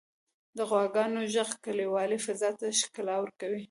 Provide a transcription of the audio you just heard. • د غواګانو ږغ کلیوالي فضا ته ښکلا ورکوي.